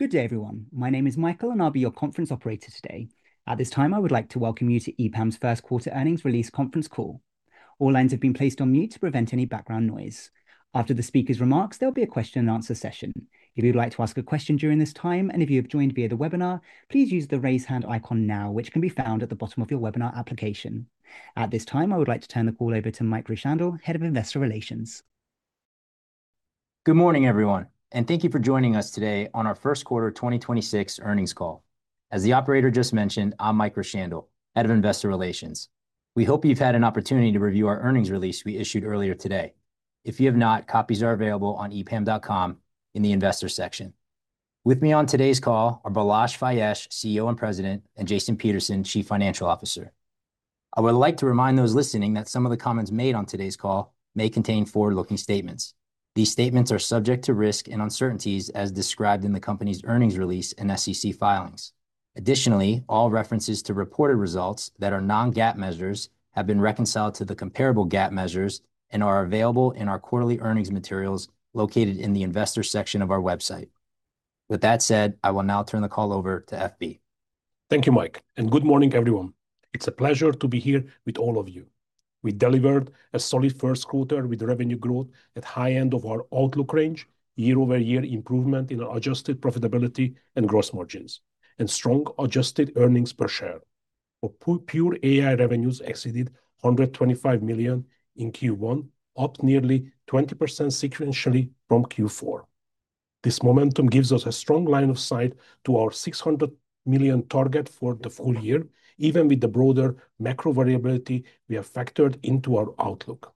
Good day, everyone. My name is Michael, and I'll be your conference operator today. At this time, I would like to welcome you to EPAM's first quarter earnings release conference call. All lines have been placed on mute to prevent any background noise. After the speaker's remarks, there'll be a question and answer session. If you'd like to ask a question during this time, and if you have joined via the webinar, please use the raise hand icon now, which can be found at the bottom of your webinar application. At this time, I would like to turn the call over to Mike Rowshandel, Head of Investor Relations. Good morning, everyone, and thank you for joining us today on our first quarter 2026 earnings call. As the operator just mentioned, I'm Mike Rowshandel, Head of Investor Relations. We hope you've had an opportunity to review our earnings release we issued earlier today. If you have not, copies are available on epam.com in the investor section. With me on today's call are Balazs Fejes, CEO and President, and Jason Peterson, Chief Financial Officer. I would like to remind those listening that some of the comments made on today's call may contain forward-looking statements. These statements are subject to risk and uncertainties as described in the company's earnings release and SEC filings. Additionally, all references to reported results that are non-GAAP measures have been reconciled to the comparable GAAP measures and are available in our quarterly earnings materials located in the investor section of our website. With that said, I will now turn the call over to FB. Thank you, Mike, and good morning, everyone. It's a pleasure to be here with all of you. We delivered a solid first quarter with revenue growth at high end of our outlook range, year-over-year improvement in our adjusted profitability and gross margins, and strong adjusted earnings per share. Our pure AI revenues exceeded $125 million in Q1, up nearly 20% sequentially from Q4. This momentum gives us a strong line of sight to our $600 million target for the full year, even with the broader macro variability we have factored into our outlook.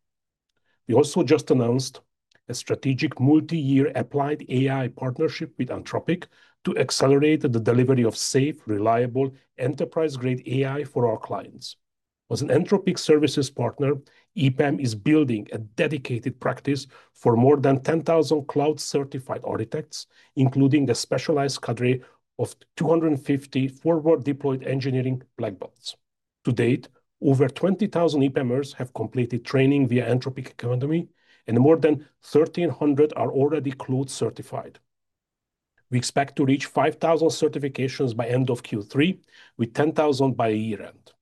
We also just announced a strategic multi-year applied AI partnership with Anthropic to accelerate the delivery of safe, reliable, enterprise-grade AI for our clients. As an Anthropic services partner, EPAM is building a dedicated practice for more than 10,000 Claude Certified Architects, including the specialized cadre of 250 forward-deployed engineering black belts. To date, over 20,000 EPAMers have completed training via Anthropic Academy, and more than 1,300 are already Claude certified. We expect to reach 5,000 certifications by end of Q3, with 10,000 by year-end.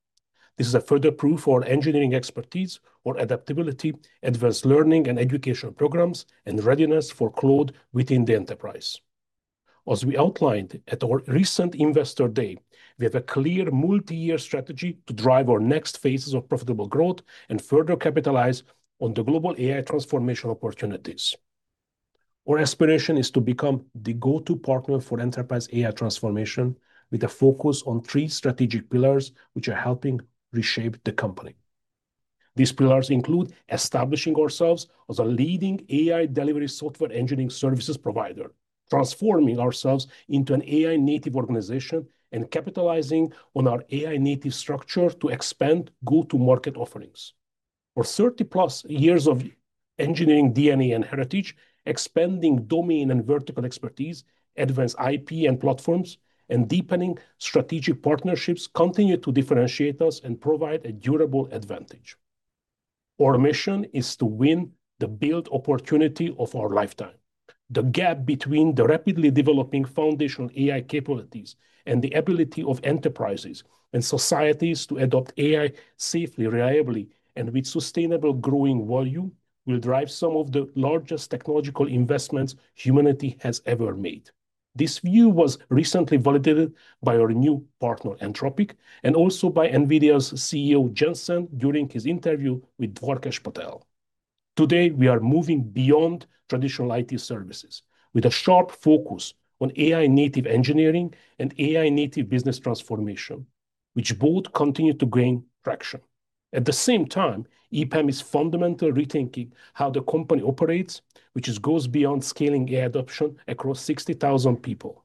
This is a further proof our engineering expertise, our adaptability, advanced learning and educational programs, and readiness for Claude within the enterprise. As we outlined at our recent Investor Day, we have a clear multi-year strategy to drive our next phases of profitable growth and further capitalize on the global AI transformation opportunities. Our aspiration is to become the go-to partner for enterprise AI transformation with a focus on three strategic pillars, which are helping reshape the company. These pillars include establishing ourselves as a leading AI delivery software engineering services provider, transforming ourselves into an AI-native organization, and capitalizing on our AI-native structure to expand go-to-market offerings. For 30 plus years of engineering DNA and heritage, expanding domain and vertical expertise, advanced IP and platforms, and deepening strategic partnerships continue to differentiate us and provide a durable advantage. Our mission is to win the build opportunity of our lifetime. The gap between the rapidly developing foundational AI capabilities and the ability of enterprises and societies to adopt AI safely, reliably, and with sustainable growing volume will drive some of the largest technological investments humanity has ever made. This view was recently validated by our new partner, Anthropic, and also by NVIDIA's CEO, Jensen, during his interview with Dwarkesh Patel. Today, we are moving beyond traditional IT services with a sharp focus on AI-native engineering and AI-native business transformation, which both continue to gain traction. At the same time, EPAM is fundamentally rethinking how the company operates, which goes beyond scaling AI adoption across 60,000 people.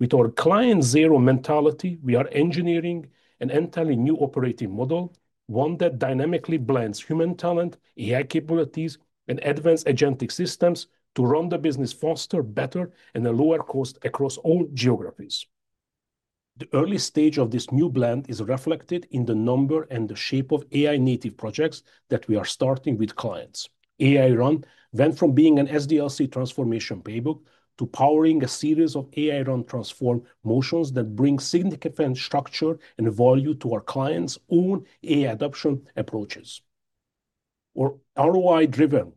With our client zero mentality, we are engineering an entirely new operating model, one that dynamically blends human talent, AI capabilities, and advanced agentic systems to run the business faster, better, and at lower cost across all geographies. The early stage of this new blend is reflected in the number and the shape of AI-native projects that we are starting with clients. AI/Run went from being an SDLC transformation playbook to powering a series of AI/Run.Transform motions that bring significant structure and value to our clients' own AI adoption approaches. Our ROI-driven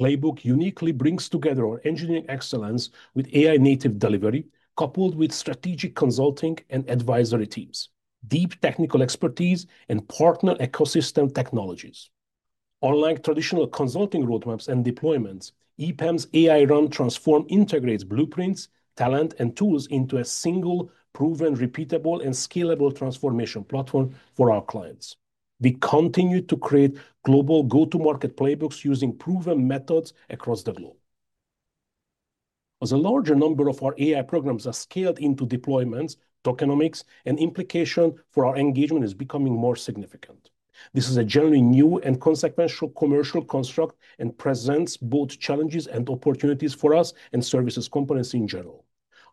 playbook uniquely brings together our engineering excellence with AI-native delivery, coupled with strategic consulting and advisory teams, deep technical expertise, and partner ecosystem technologies. Unlike traditional consulting roadmaps and deployments, EPAM's AI/Run.Transform integrates blueprints, talent, and tools into a single proven, repeatable, and scalable transformation platform for our clients. We continue to create global go-to-market playbooks using proven methods across the globe. As a larger number of our AI programs are scaled into deployments, tokenomics, and implication for our engagement is becoming more significant. This is a generally new and consequential commercial construct and presents both challenges and opportunities for us and services companies in general.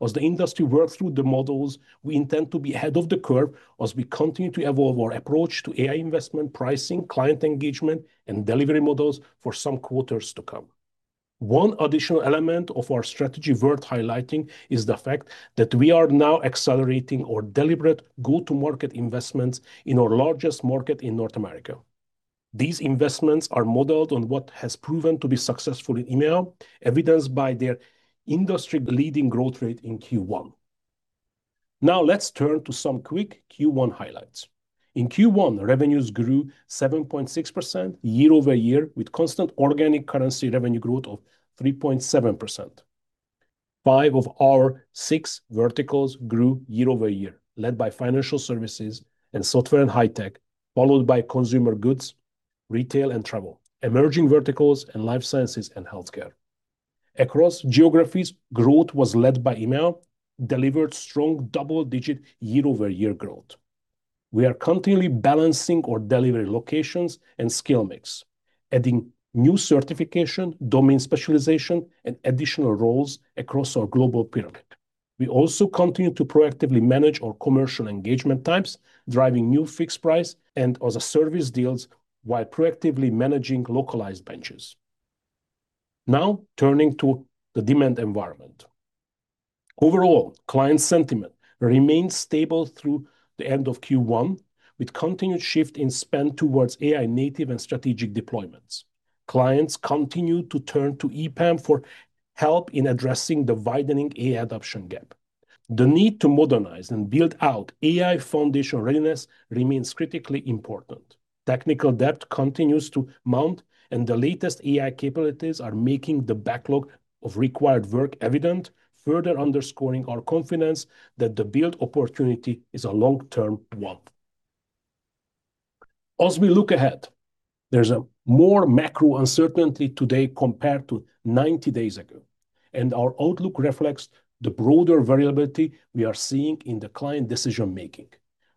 As the industry works through the models, we intend to be ahead of the curve as we continue to evolve our approach to AI investment pricing, client engagement, and delivery models for some quarters to come. One additional element of our strategy worth highlighting is the fact that we are now accelerating our deliberate go-to-market investments in our largest market in North America. These investments are modeled on what has proven to be successful in EMEA, evidenced by their industry-leading growth rate in Q1. Let's turn to some quick Q1 highlights. In Q1, revenues grew 7.6% year-over-year, with constant organic currency revenue growth of 3.7%. Five of our six verticals grew year-over-year, led by financial services and software and high tech, followed by consumer goods, retail and travel, emerging verticals, and life sciences and healthcare. Across geographies, growth was led by EMEA, delivered strong double-digit year-over-year growth. We are continually balancing our delivery locations and skill mix, adding new certification, domain specialization, and additional roles across our global pyramid. We also continue to proactively manage our commercial engagement types, driving new fixed price and as a service deals while proactively managing localized benches. Turning to the demand environment. Overall, client sentiment remains stable through the end of Q1, with continued shift in spend towards AI native and strategic deployments. Clients continue to turn to EPAM for help in addressing the widening AI adoption gap. The need to modernize and build out AI foundation readiness remains critically important. Technical debt continues to mount, the latest AI capabilities are making the backlog of required work evident, further underscoring our confidence that the build opportunity is a long-term one. As we look ahead, there's a more macro uncertainty today compared to 90 days ago, and our outlook reflects the broader variability we are seeing in the client decision-making.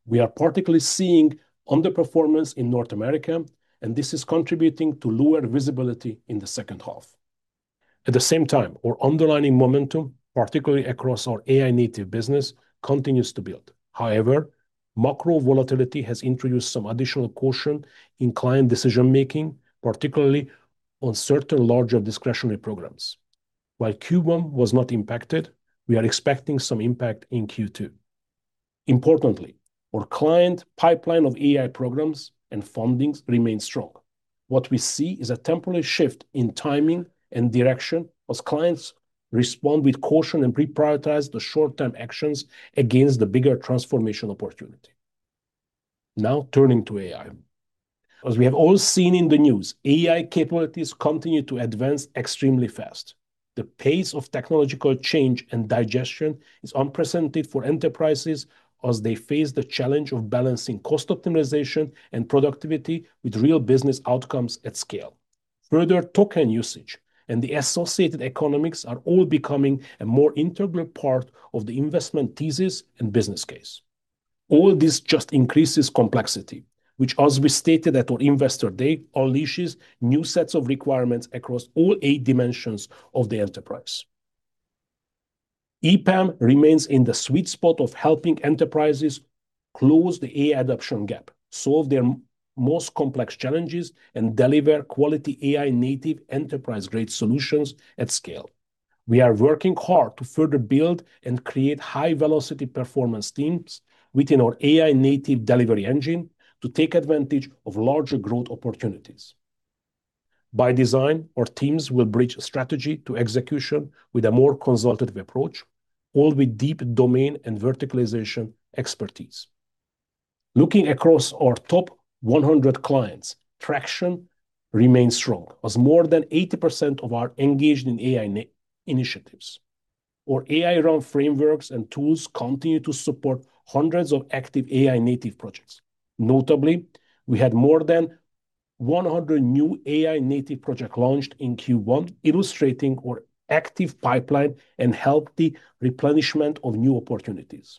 We are particularly seeing underperformance in North America, and this is contributing to lower visibility in the second half. At the same time, our underlying momentum, particularly across our AI-native business, continues to build. However, macro volatility has introduced some additional caution in client decision-making, particularly on certain larger discretionary programs. While Q1 was not impacted, we are expecting some impact in Q2. Importantly, our client pipeline of AI programs and fundings remain strong. What we see is a temporary shift in timing and direction as clients respond with caution and reprioritize the short-term actions against the bigger transformation opportunity. Now turning to AI. As we have all seen in the news, AI capabilities continue to advance extremely fast. The pace of technological change and digestion is unprecedented for enterprises as they face the challenge of balancing cost optimization and productivity with real business outcomes at scale. Further token usage and the associated economics are all becoming a more integral part of the investment thesis and business case. This just increases complexity, which as we stated at our Investor Day, unleashes new sets of requirements across all eight dimensions of the enterprise. EPAM remains in the sweet spot of helping enterprises close the AI adoption gap, solve their most complex challenges, and deliver quality AI native enterprise-grade solutions at scale. We are working hard to further build and create high-velocity performance teams within our AI native delivery engine to take advantage of larger growth opportunities. By design, our teams will bridge strategy to execution with a more consultative approach, all with deep domain and verticalization expertise. Looking across our top 100 clients, traction remains strong as more than 80% of our engaged in AI initiatives. Our AI/Run frameworks and tools continue to support hundreds of active AI-native projects. Notably, we had more than 100 new AI-native project launched in Q1, illustrating our active pipeline and healthy replenishment of new opportunities.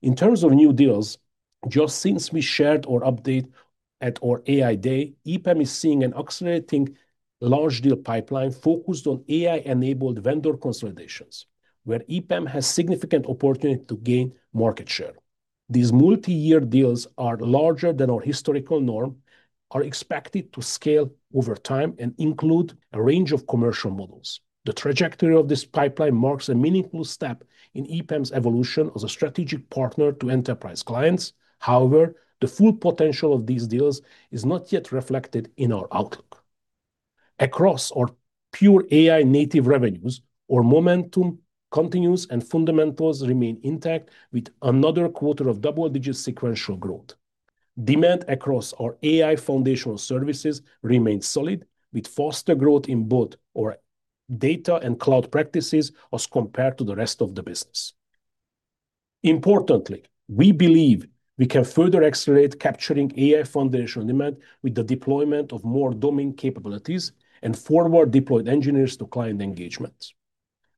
In terms of new deals, just since we shared our update at our AI Day, EPAM is seeing an accelerating large deal pipeline focused on AI-enabled vendor consolidations, where EPAM has significant opportunity to gain market share. These multi-year deals are larger than our historical norm, are expected to scale over time, and include a range of commercial models. The trajectory of this pipeline marks a meaningful step in EPAM's evolution as a strategic partner to enterprise clients. However, the full potential of these deals is not yet reflected in our outlook. Across our pure AI-native revenues, our momentum continues and fundamentals remain intact with another quarter of double-digit sequential growth. Demand across our AI foundational services remains solid, with faster growth in both our data and Claude practices as compared to the rest of the business. Importantly, we believe we can further accelerate capturing AI foundational demand with the deployment of more domain capabilities and forward deployed engineers to client engagements.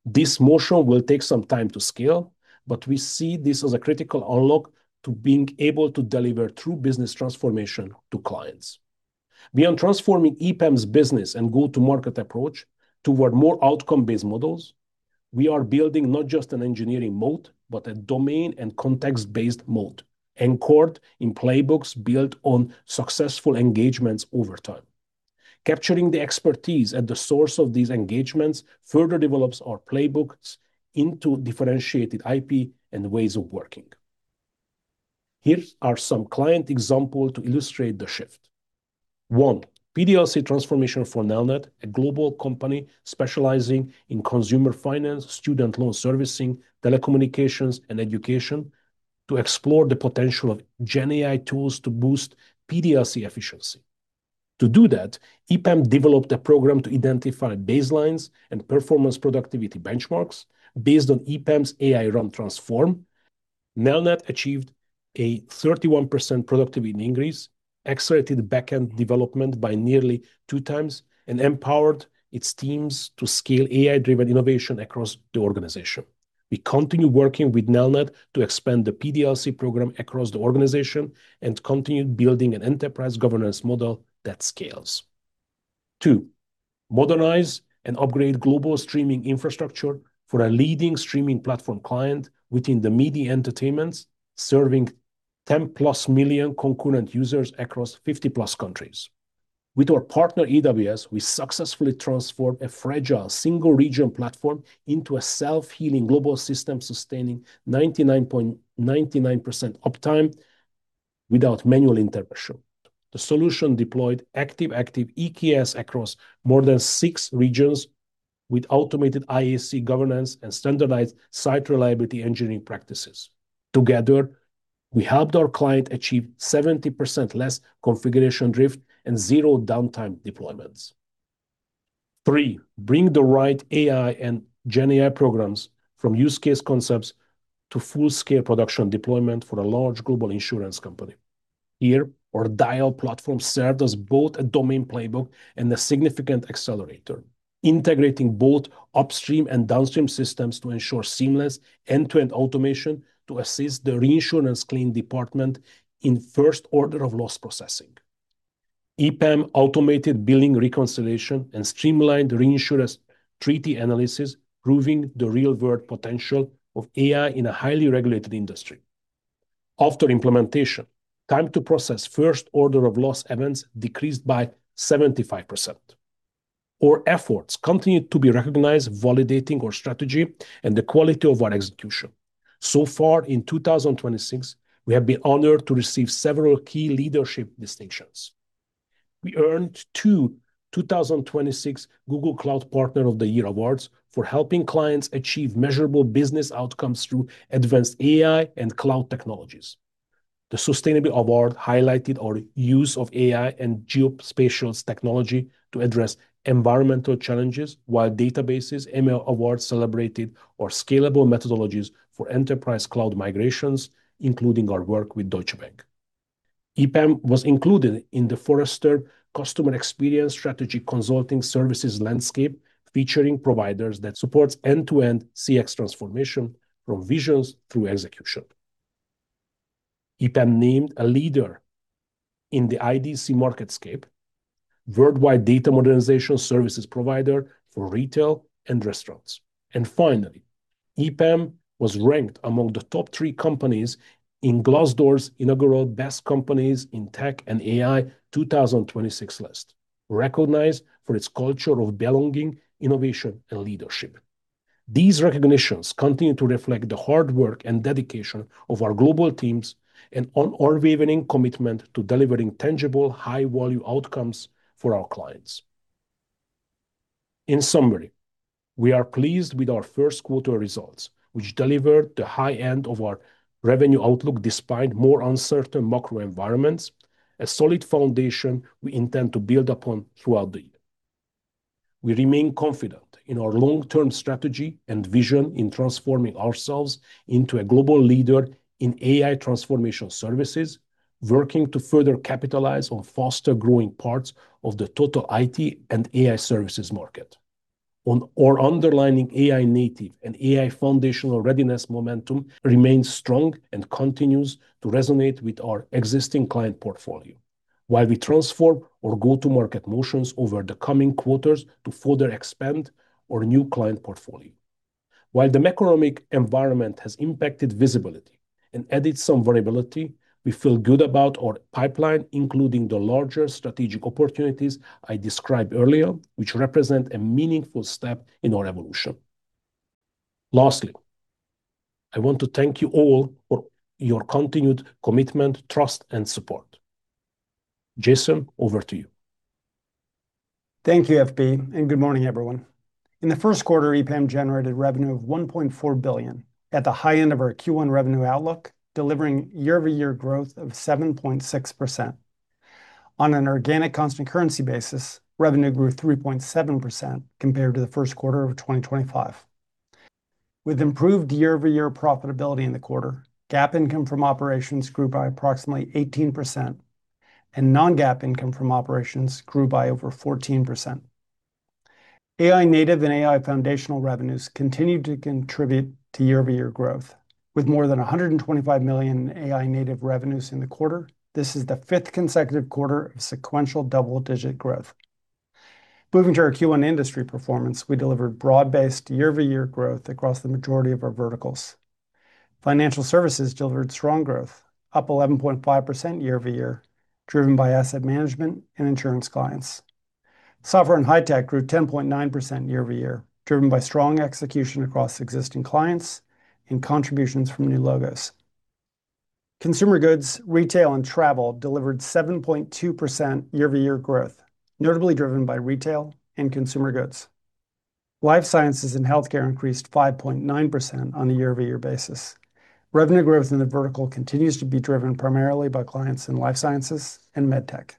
This motion will take some time to scale, but we see this as a critical unlock to being able to deliver true business transformation to clients. Beyond transforming EPAM's business and go-to-market approach toward more outcome-based models. We are building not just an engineering moat, but a domain and context-based moat, anchored in playbooks built on successful engagements over time. Capturing the expertise at the source of these engagements further develops our playbooks into differentiated IP and ways of working. Here are some client example to illustrate the shift. One, PDLC transformation for Nelnet, a global company specializing in consumer finance, student loan servicing, telecommunications, and education to explore the potential of GenAI tools to boost PDLC efficiency. To do that, EPAM developed a program to identify baselines and performance productivity benchmarks based on EPAM's AI/Run.Transform. Nelnet achieved a 31% productivity increase, accelerated back-end development by nearly 2x, and empowered its teams to scale AI-driven innovation across the organization. We continue working with Nelnet to expand the PDLC program across the organization and continue building an enterprise governance model that scales. Two, modernize and upgrade global streaming infrastructure for a leading streaming platform client within the media entertainment, serving 10+ million concurrent users across 50+ countries. With our partner AWS, we successfully transformed a fragile single region platform into a self-healing global system sustaining 99.99% uptime without manual intervention. The solution deployed active/active EKS across more than six regions with automated IaC governance and standardized site reliability engineering practices. Together, we helped our client achieve 70% less configuration drift and zero downtime deployments. Three, bring the right AI and GenAI programs from use case concepts to full-scale production deployment for a large global insurance company. Here, our DIAL platform served as both a domain playbook and a significant accelerator, integrating both upstream and downstream systems to ensure seamless end-to-end automation to assist the reinsurance claim department in first order of loss processing. EPAM automated billing reconciliation and streamlined reinsurance treaty analysis, proving the real-world potential of AI in a highly regulated industry. After implementation, time to process first order of loss events decreased by 75%. Our efforts continue to be recognized, validating our strategy and the quality of our execution. In 2026, we have been honored to receive several key leadership distinctions. We earned two 2026 Google Cloud Partner of the Year awards for helping clients achieve measurable business outcomes through advanced AI and Claude technologies. The Sustainability Award highlighted our use of AI and geospatial technology to address environmental challenges, while Databases ML Award celebrated our scalable methodologies for enterprise Claude migrations, including our work with Deutsche Bank. EPAM was included in the Forrester Customer Experience Strategy Consulting Services Landscape, featuring providers that supports end-to-end CX transformation from visions through execution. EPAM named a leader in the IDC MarketScape Worldwide Data Modernization Services Provider for Retail and Restaurants. Finally, EPAM was ranked among the top three companies in Glassdoor's inaugural Best Companies in Tech and AI 2026 list, recognized for its culture of belonging, innovation, and leadership. These recognitions continue to reflect the hard work and dedication of our global teams and on our unwavering commitment to delivering tangible high-value outcomes for our clients. In summary, we are pleased with our first quarter results, which delivered the high end of our revenue outlook despite more uncertain macro environments, a solid foundation we intend to build upon throughout the year. We remain confident in our long-term strategy and vision in transforming ourselves into a global leader in AI transformation services, working to further capitalize on faster-growing parts of the total IT and AI services market. On our underlying AI-native and AI foundational readiness momentum remains strong and continues to resonate with our existing client portfolio while we transform our go-to-market motions over the coming quarters to further expand our new client portfolio. While the macroeconomic environment has impacted visibility and added some variability, we feel good about our pipeline, including the larger strategic opportunities I described earlier, which represent a meaningful step in our evolution. Lastly, I want to thank you all for your continued commitment, trust, and support. Jason, over to you. Thank you, FB, and good morning, everyone. In the first quarter, EPAM generated revenue of $1.4 billion at the high end of our Q1 revenue outlook, delivering year-over-year growth of 7.6%. On an organic constant currency basis, revenue grew 3.7% compared to the first quarter of 2025. With improved year-over-year profitability in the quarter, GAAP income from operations grew by approximately 18%, and non-GAAP income from operations grew by over 14%. AI native and AI foundational revenues continued to contribute to year-over-year growth. With more than $125 million AI native revenues in the quarter, this is the fifth consecutive quarter of sequential double-digit growth. Moving to our Q1 industry performance, we delivered broad-based year-over-year growth across the majority of our verticals. Financial services delivered strong growth, up 11.5% year-over-year, driven by asset management and insurance clients. Software and high tech grew 10.9% year-over-year, driven by strong execution across existing clients and contributions from new logos. Consumer goods, retail, and travel delivered 7.2% year-over-year growth, notably driven by retail and consumer goods. Life sciences and healthcare increased 5.9% on a year-over-year basis. Revenue growth in the vertical continues to be driven primarily by clients in life sciences and med tech.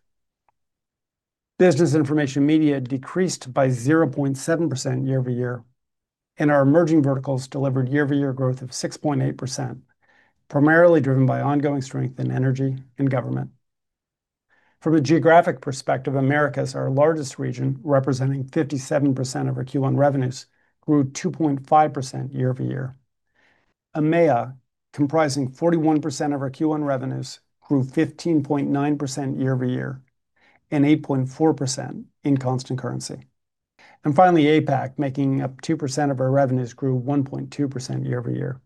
Business information media decreased by 0.7% year-over-year, and our emerging verticals delivered year-over-year growth of 6.8%, primarily driven by ongoing strength in energy and government. From a geographic perspective, Americas, our largest region, representing 57% of our Q1 revenues, grew 2.5% year-over-year. EMEA, comprising 41% of our Q1 revenues, grew 15.9% year-over-year and 8.4% in constant currency. Finally, APAC, making up 2% of our revenues, grew 1.2% year-over-year.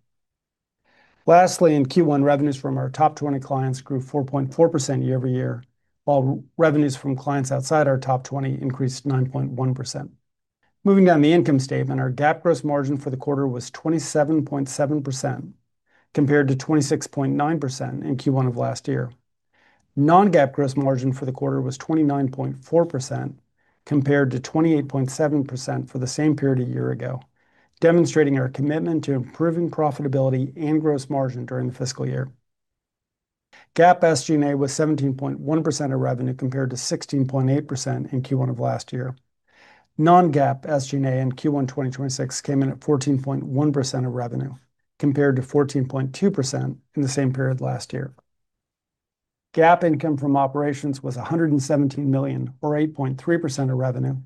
Lastly, in Q1, revenues from our top 20 clients grew 4.4% year-over-year, while revenues from clients outside our top 20 increased 9.1%. Moving down the income statement, our GAAP gross margin for the quarter was 27.7% compared to 26.9% in Q1 of last year. Non-GAAP gross margin for the quarter was 29.4% compared to 28.7% for the same period a year ago, demonstrating our commitment to improving profitability and gross margin during the fiscal year. GAAP SG&A was 17.1% of revenue compared to 16.8% in Q1 of last year. Non-GAAP SG&A in Q1 2026 came in at 14.1% of revenue compared to 14.2% in the same period last year. GAAP income from operations was $117 million or 8.3% of revenue,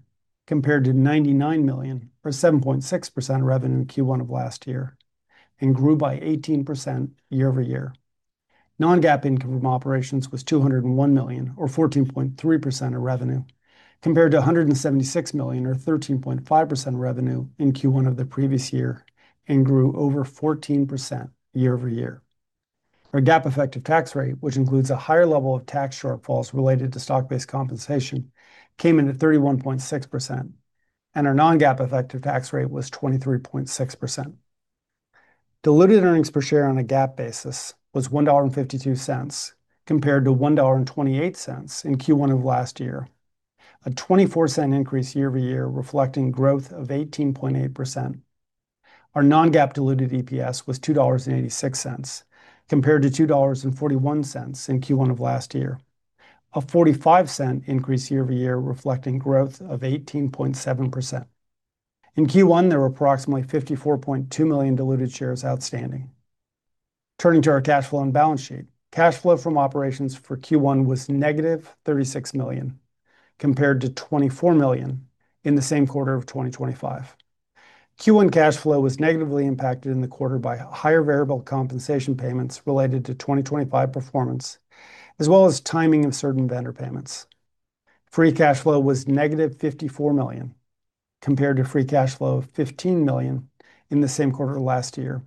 compared to $99 million or 7.6% of revenue in Q1 of last year and grew by 18% year-over-year. Non-GAAP income from operations was $201 million or 14.3% of revenue compared to $176 million or 13.5% of revenue in Q1 of the previous year and grew over 14% year-over-year. Our GAAP effective tax rate, which includes a higher level of tax shortfalls related to stock-based compensation, came in at 31.6%, and our non-GAAP effective tax rate was 23.6%. Diluted earnings per share on a GAAP basis was $1.52 compared to $1.28 in Q1 of last year. A $0.24 increase year-over-year reflecting growth of 18.8%. Our non-GAAP diluted EPS was $2.86 compared to $2.41 in Q1 of last year. A $0.45 increase year-over-year reflecting growth of 18.7%. In Q1, there were approximately 54.2 million diluted shares outstanding. Turning to our cash flow and balance sheet. Cash flow from operations for Q1 was negative $36 million compared to $24 million in the same quarter of 2025. Q1 cash flow was negatively impacted in the quarter by higher variable compensation payments related to 2025 performance, as well as timing of certain vendor payments. Free cash flow was -$54 million compared to free cash flow of $15 million in the same quarter last year.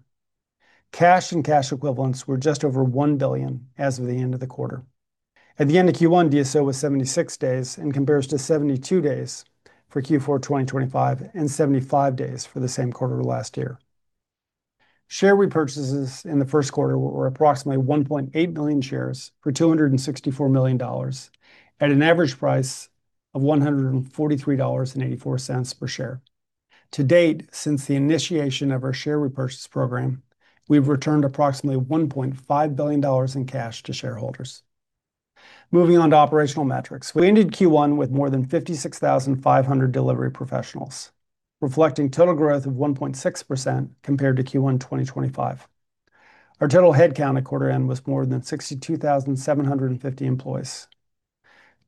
Cash and cash equivalents were just over $1 billion as of the end of the quarter. At the end of Q1, DSO was 76 days and compares to 72 days for Q4 2025 and 75 days for the same quarter last year. Share repurchases in the first quarter were approximately 1.8 million shares for $264 million at an average price of $143.84 per share. To date, since the initiation of our share repurchase program, we've returned approximately $1.5 billion in cash to shareholders. Moving on to operational metrics. We ended Q1 with more than 56,500 delivery professionals, reflecting total growth of 1.6% compared to Q1 2025. Our total headcount at quarter end was more than 62,750 employees.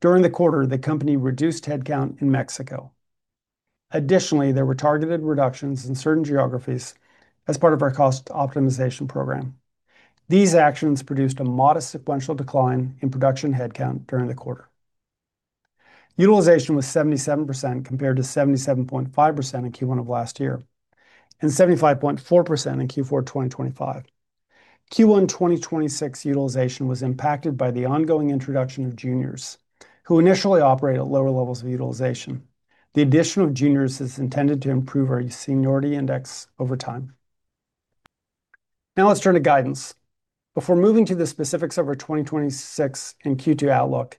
During the quarter, the company reduced headcount in Mexico. Additionally, there were targeted reductions in certain geographies as part of our cost optimization program. These actions produced a modest sequential decline in production headcount during the quarter. Utilization was 77% compared to 77.5% in Q1 of last year and 75.4% in Q4 2025. Q1 2026 utilization was impacted by the ongoing introduction of juniors, who initially operate at lower levels of utilization. The addition of juniors is intended to improve our seniority index over time. Now let's turn to guidance. Before moving to the specifics of our 2026 and Q2 outlook,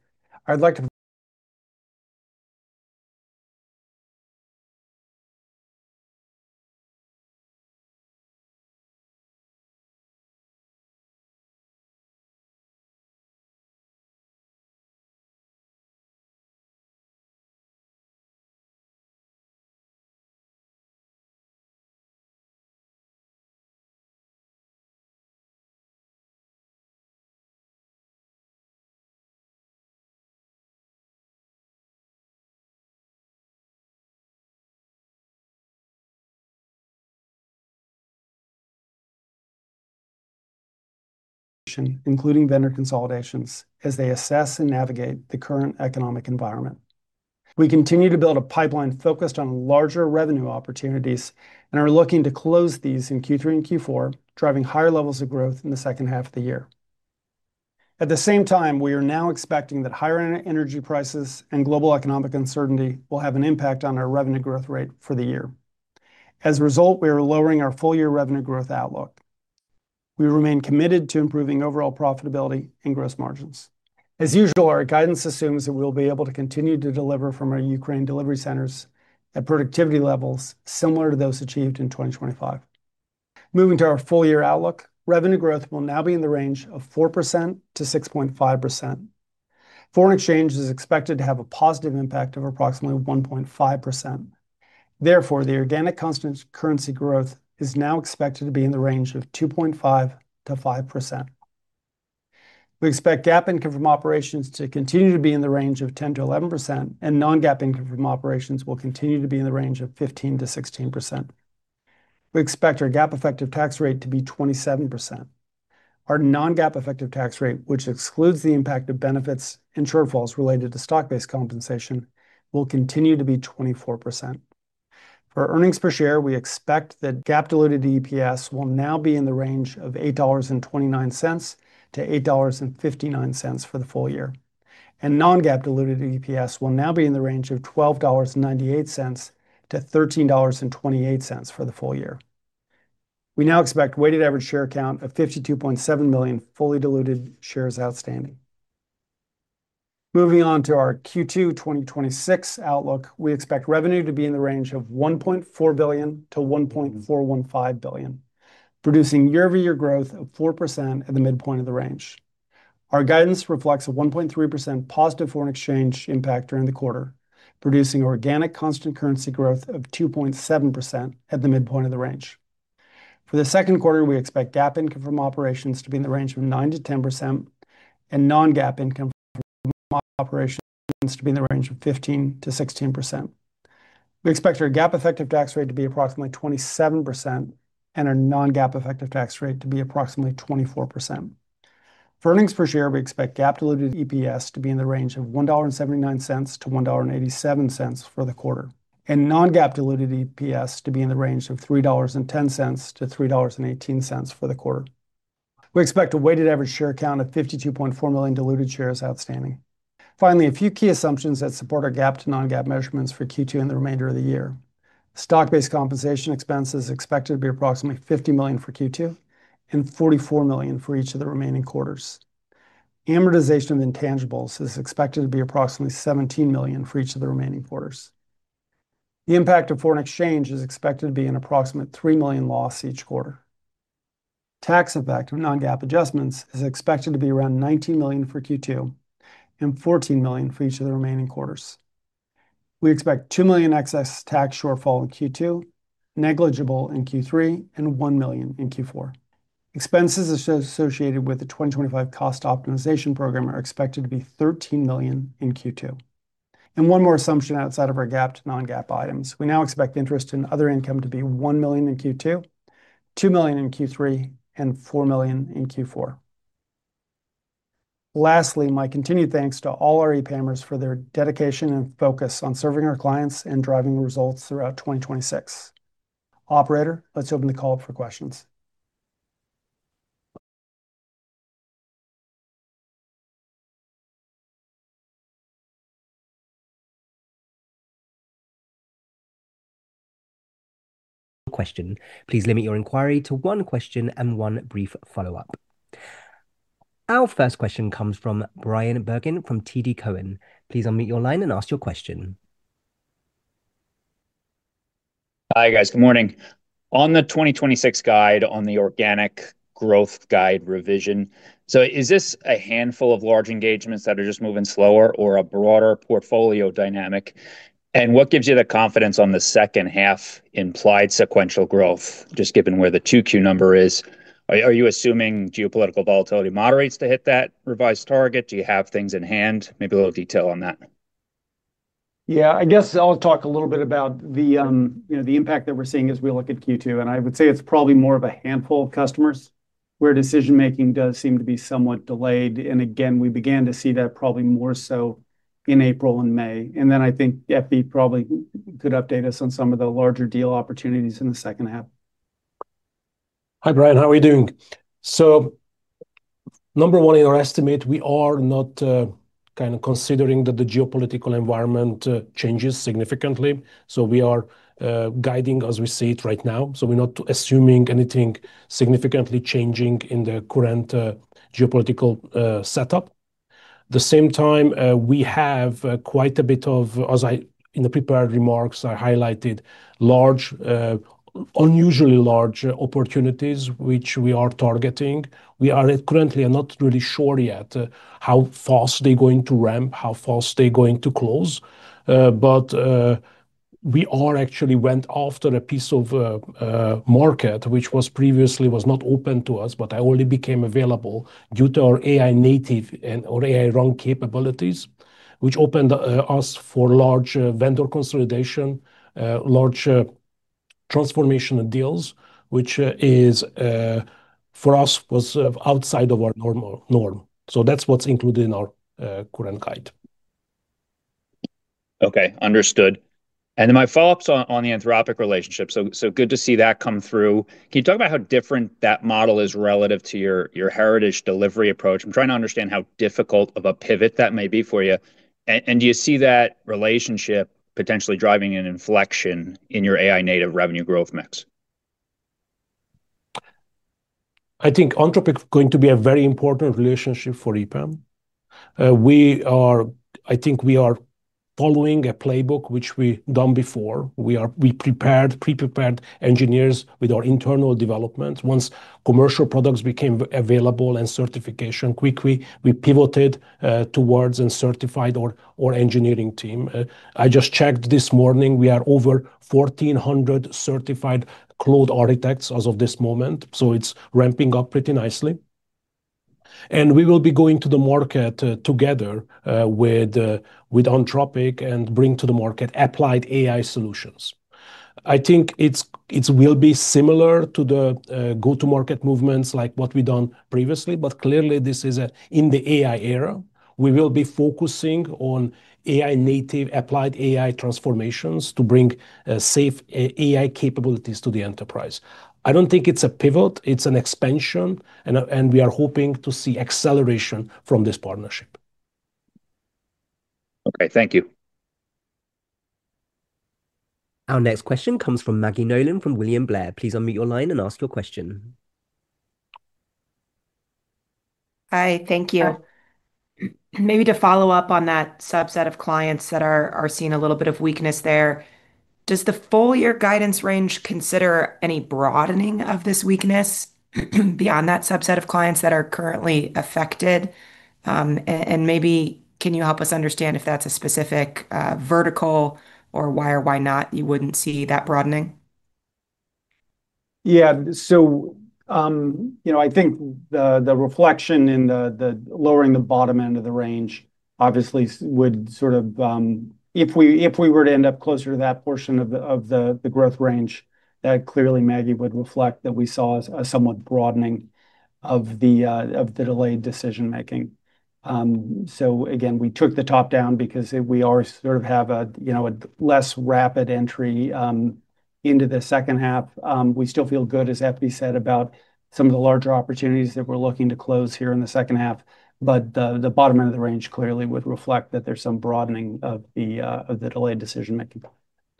including vendor consolidations as they assess and navigate the current economic environment. We continue to build a pipeline focused on larger revenue opportunities, and are looking to close these in Q3 and Q4, driving higher levels of growth in the second half of the year. At the same time, we are now expecting that higher energy prices and global economic uncertainty will have an impact on our revenue growth rate for the year. As a result, we are lowering our full-year revenue growth outlook. We remain committed to improving overall profitability and gross margins. As usual, our guidance assumes that we'll be able to continue to deliver from our Ukraine delivery centers at productivity levels similar to those achieved in 2025. Moving to our full-year outlook, revenue growth will now be in the range of 4% to 6.5%. Foreign exchange is expected to have a positive impact of approximately 1.5%. The organic constant currency growth is now expected to be in the range of 2.5%-5%. We expect GAAP income from operations to continue to be in the range of 10%-11%, and non-GAAP income from operations will continue to be in the range of 15%-16%. We expect our GAAP effective tax rate to be 27%. Our non-GAAP effective tax rate, which excludes the impact of benefits and shortfalls related to stock-based compensation, will continue to be 24%. For earnings per share, we expect that GAAP diluted EPS will now be in the range of $8.29-$8.59 for the full year, and non-GAAP diluted EPS will now be in the range of $12.98-$13.28 for the full year. We now expect weighted average share count of 52.7 million fully diluted shares outstanding. Moving on to our Q2 2026 outlook, we expect revenue to be in the range of $1.4 billion-$1.415 billion, producing year-over-year growth of 4% at the midpoint of the range. Our guidance reflects a 1.3% positive foreign exchange impact during the quarter, producing organic constant currency growth of 2.7% at the midpoint of the range. For the second quarter, we expect GAAP income from operations to be in the range of 9%-10% and non-GAAP income from operations to be in the range of 15%-16%. We expect our GAAP effective tax rate to be approximately 27% and our non-GAAP effective tax rate to be approximately 24%. For earnings per share, we expect GAAP diluted EPS to be in the range of $1.79-$1.87 for the quarter, and non-GAAP diluted EPS to be in the range of $3.10-$3.18 for the quarter. We expect a weighted average share count of 52.4 million diluted shares outstanding. Finally, a few key assumptions that support our GAAP to non-GAAP measurements for Q2 and the remainder of the year. Stock-based compensation expense is expected to be approximately $50 million for Q2 and $44 million for each of the remaining quarters. Amortization of intangibles is expected to be approximately $17 million for each of the remaining quarters. The impact of foreign exchange is expected to be an approximate $3 million loss each quarter. Tax effect of non-GAAP adjustments is expected to be around $19 million for Q2 and $14 million for each of the remaining quarters. We expect $2 million excess tax shortfall in Q2, negligible in Q3, and $1 million in Q4. Expenses associated with the 2025 cost optimization program are expected to be $13 million in Q2. One more assumption outside of our GAAP to non-GAAP items. We now expect interest and other income to be $1 million in Q2, $2 million in Q3, and $4 million in Q4. Lastly, my continued thanks to all our EPAMers for their dedication and focus on serving our clients and driving results throughout 2026. Operator, let's open the call up for questions. Question. Please limit your inquiry to one question and one brief follow-up. Our first question comes from Bryan Bergin from TD Cowen. Please unmute your line and ask your question. Hi, guys. Good morning. On the 2026 guide on the organic growth guide revision, is this a handful of large engagements that are just moving slower or a broader portfolio dynamic? What gives you the confidence on the second half implied sequential growth, just given where the 2Q number is? Are you assuming geopolitical volatility moderates to hit that revised target? Do you have things in hand? Maybe a little detail on that. Yeah, I guess I'll talk a little bit about the, you know, the impact that we're seeing as we look at Q2, and I would say it's probably more of a handful of customers where decision-making does seem to be somewhat delayed. Again, we began to see that probably more so in April and May. Then I think FB probably could update us on some of the larger deal opportunities in the second half. Hi, Bryan. How are you doing? Number one, in our estimate, we are not kind of considering that the geopolitical environment changes significantly. We are guiding as we see it right now. We're not assuming anything significantly changing in the current geopolitical setup. The same time, we have quite a bit of, in the prepared remarks, I highlighted large, unusually large opportunities which we are targeting. We are currently not really sure yet how fast they're going to ramp, how fast they're going to close. We are actually went after a piece of market which was previously not open to us, but only became available due to our AI-native and our AI/Run capabilities, which opened us for large vendor consolidation, large transformational deals, which is for us was outside of our normal norm. That's what's included in our current guide. Okay. Understood. My follow-up's on the Anthropic relationship, so good to see that come through. Can you talk about how different that model is relative to your heritage delivery approach? I'm trying to understand how difficult of a pivot that may be for you. Do you see that relationship potentially driving an inflection in your AI native revenue growth mix? I think Anthropic going to be a very important relationship for EPAM. We are, I think we are following a playbook which we done before. We prepared, pre-prepared engineers with our internal development. Once commercial products became available and certification, quickly we pivoted towards and certified our engineering team. I just checked this morning, we are over 1,400 certified Claude architects as of this moment, it's ramping up pretty nicely. We will be going to the market together with Anthropic, and bring to the market applied AI solutions. I think it's will be similar to the go-to-market movements like what we done previously, clearly this is a in the AI era. We will be focusing on AI native applied AI transformations to bring safe AI capabilities to the enterprise. I don't think it's a pivot, it's an expansion, and we are hoping to see acceleration from this partnership. Okay. Thank you. Our next question comes from Maggie Nolan from William Blair. Please unmute your line and ask your question. Hi. Thank you. Maybe to follow up on that subset of clients that are seeing a little bit of weakness there. Does the full year guidance range consider any broadening of this weakness beyond that subset of clients that are currently affected? Maybe can you help us understand if that's a specific vertical, or why or why not you wouldn't see that broadening? Yeah. You know, I think the reflection in the lowering the bottom end of the range obviously would sort of, if we, if we were to end up closer to that portion of the, of the growth range, that clearly, Maggie, would reflect that we saw a somewhat broadening of the delayed decision making. Again, we took the top down because it, we are sort of have a, you know, a less rapid entry into the second half. We still feel good, as FB said, about some of the larger opportunities that we're looking to close here in the second half. The bottom end of the range clearly would reflect that there's some broadening of the delayed decision making.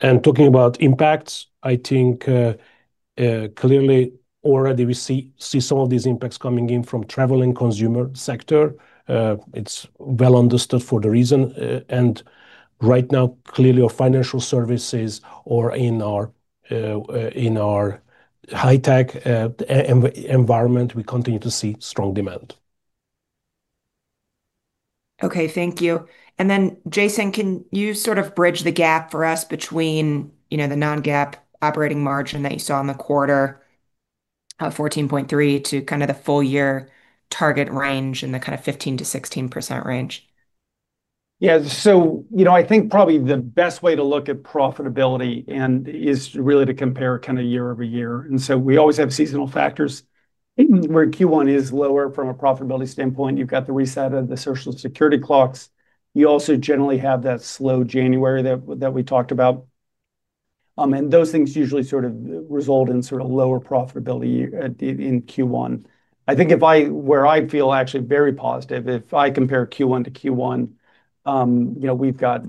Talking about impacts, I think, clearly already we see some of these impacts coming in from travel and consumer sector. It's well understood for the reason. Right now clearly our financial services are in our high tech environment, we continue to see strong demand. Okay. Thank you. Jason, can you sort of bridge the gap for us between, you know, the non-GAAP operating margin that you saw in the quarter, 14.3%, to the full year target range in the 15%-16% range? You know, I think probably the best way to look at profitability is really to compare kind of year-over-year. We always have seasonal factors, where Q1 is lower from a profitability standpoint. You've got the reset of the social security clocks. You also generally have that slow January that we talked about. Those things usually sort of result in lower profitability in Q1. I think where I feel actually very positive, if I compare Q1 to Q1, you know, we've got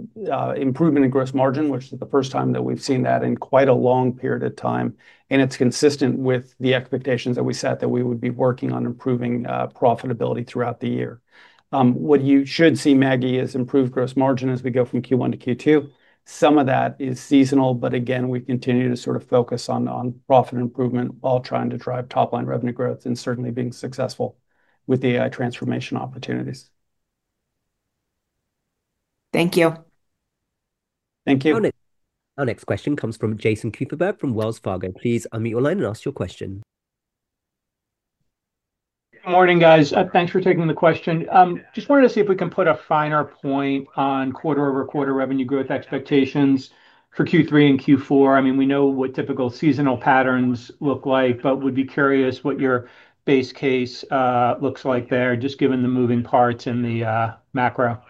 improvement in gross margin, which is the first time that we've seen that in quite a long period of time, and it's consistent with the expectations that we set that we would be working on improving profitability throughout the year. What you should see, Maggie, is improved gross margin as we go from Q1-Q2. Some of that is seasonal, but again, we continue to sort of focus on profit improvement while trying to drive top line revenue growth, and certainly being successful with the AI transformation opportunities. Thank you. Thank you. Our next question comes from Jason Kupferberg from Wells Fargo. Please unmute your line and ask your question. Good morning, guys. Thanks for taking the question. Just wanted to see if we can put a finer point on quarter-over-quarter revenue growth expectations for Q3 and Q4. I mean, we know what typical seasonal patterns look like, but would be curious what your base case looks like there just given the moving parts in the macro.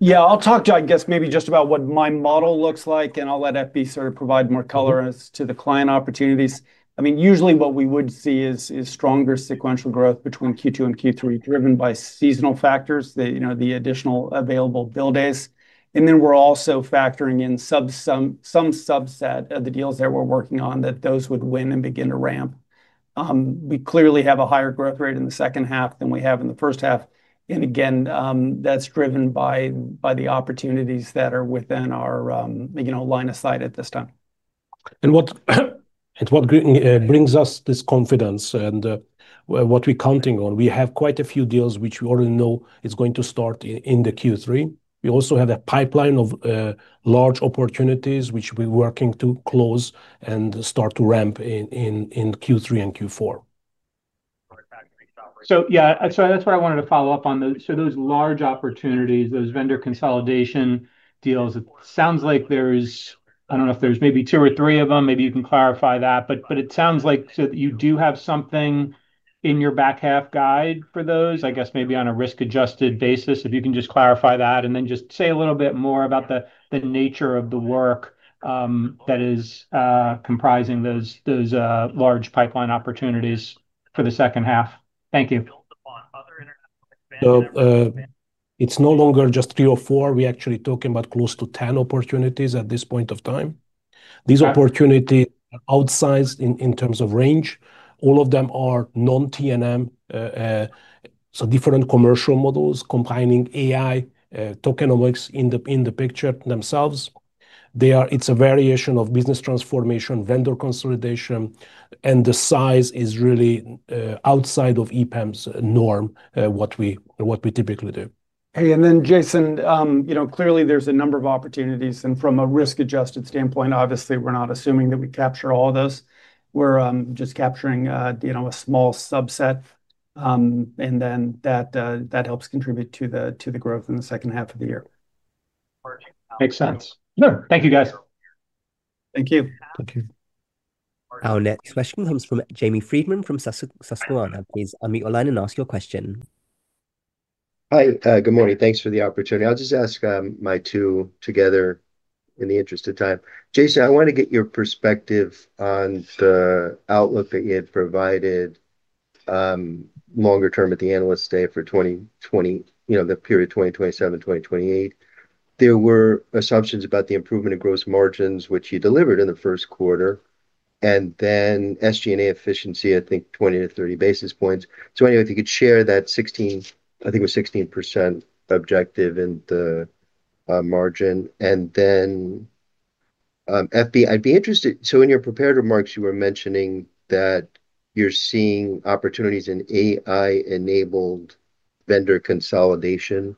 Yeah, I'll talk to, I guess, maybe just about what my model looks like, and I'll let FB sort of provide more color as to the client opportunities. I mean, usually what we would see is stronger sequential growth between Q2 and Q3 driven by seasonal factors that, you know, the additional available bill days. We're also factoring in some subset of the deals that we're working on that those would win and begin to ramp. We clearly have a higher growth rate in the second half than we have in the first half, and again, that's driven by the opportunities that are within our, you know, line of sight at this time. What brings us this confidence, what we're counting on, we have quite a few deals which we already know is going to start in the Q3. We also have a pipeline of large opportunities which we're working to close and start to ramp in Q3 and Q4. Yeah, so that's what I wanted to follow up on those. Those large opportunities, those vendor consolidation deals, it sounds like there's I don't know if there's maybe two or three of them, maybe you can clarify that. It sounds like you do have something in your back half guide for those, I guess maybe on a risk-adjusted basis, if you can just clarify that. Just say a little bit more about the nature of the work that is comprising those large pipeline opportunities for the second half. Thank you. It's no longer just three or four. We're actually talking about close to 10 opportunities at this point of time. Okay. These opportunity outsized in terms of range. All of them are non-T&M, so different commercial models combining AI, tokenomics in the picture themselves. It's a variation of business transformation, vendor consolidation, and the size is really outside of EPAM's norm, what we typically do. Hey, Jason, you know, clearly there's a number of opportunities, and from a risk-adjusted standpoint, obviously, we're not assuming that we capture all those. We're just capturing, you know, a small subset. That helps contribute to the growth in the second half of the year. Makes sense. Sure. Thank you, guys. Thank you. Thank you. Our next question comes from James Friedman from Susquehanna. Please unmute your line and ask your question. Hi. Good morning. Thanks for the opportunity. I'll just ask my two together in the interest of time. Jason, I wanna get your perspective on the outlook that you had provided longer term at the Investor Day for the period 2027, 2028. There were assumptions about the improvement of gross margins, which you delivered in the first quarter, SG&A efficiency, I think 20 to 30 basis points. If you could share that 16% objective in the margin. FB, in your prepared remarks, you were mentioning that you're seeing opportunities in AI-enabled vendor consolidation.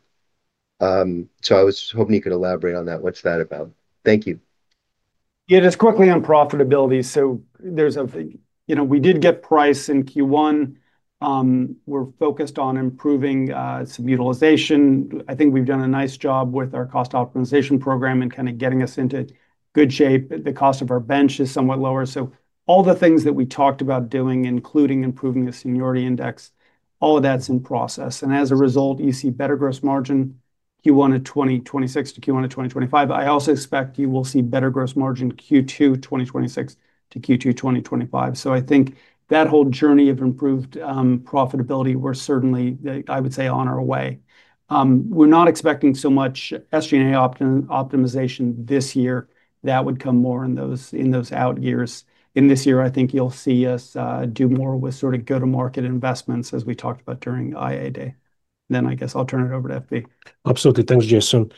I was hoping you could elaborate on that. What's that about? Thank you. Yeah, just quickly on profitability. There's a, you know, we did get price in Q1. We're focused on improving some utilization. I think we've done a nice job with our cost optimization program and kind of getting us into good shape. The cost of our bench is somewhat lower. All the things that we talked about doing, including improving the seniority index, all of that's in process. As a result, you see better gross margin, Q1 of 2026 to Q1 of 2025. I also expect you will see better gross margin Q2 2026 to Q2 2025. I think that whole journey of improved profitability, we're certainly, I would say, on our way. We're not expecting so much SG&A optimization this year. That would come more in those out years. In this year, I think you'll see us do more with sort of go-to-market investments as we talked about during AI Day. I guess I'll turn it over to FB. Absolutely. Thanks, Jason.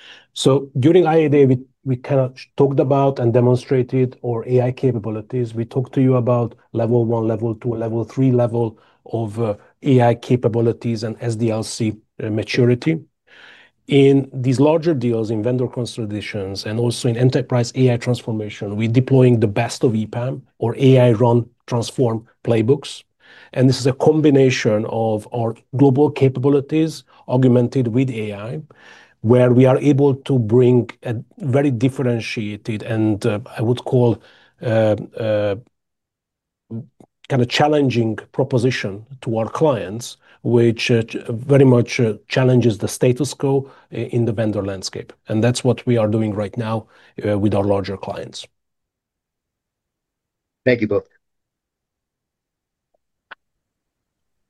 During AI Day, we kinda talked about and demonstrated our AI capabilities. We talked to you about level 1, level 2, level 3 level of AI capabilities and SDLC maturity. In these larger deals in vendor consolidations and also in enterprise AI transformation, we're deploying the best of EPAM or AI/Run.Transform playbooks. This is a combination of our global capabilities augmented with AI, where we are able to bring a very differentiated and I would call kinda challenging proposition to our clients, which very much challenges the status quo in the vendor landscape. That's what we are doing right now with our larger clients. Thank you both.